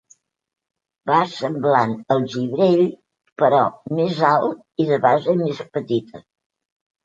Vas semblant al gibrell però més alt i de base més petita.